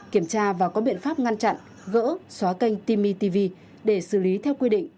kiểm tra và có biện pháp ngăn chặn gỡ xóa kênh timmy tv để xử lý theo quy định